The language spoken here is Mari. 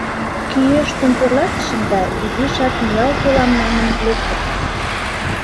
Кӱэштын тӧрлатышым да изишак миял толам манын лектым.